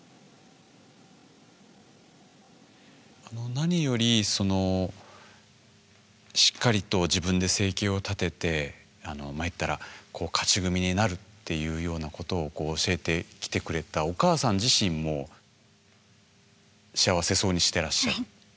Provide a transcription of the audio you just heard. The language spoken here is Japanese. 何よりそのしっかりと自分で生計を立ててまあ言ったら勝ち組になるっていうようなことを教えてきてくれたお母さん自身も幸せそうにしてらっしゃる。